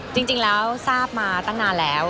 จริงแล้วทราบมาตั้งนานแล้ว